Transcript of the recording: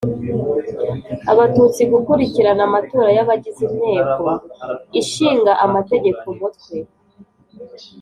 Abatutsi gukurikirana amatora y abagize Inteko Ishinga Amategeko Umutwe